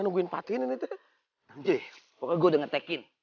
nungguin fatin itu deh gue denger tekin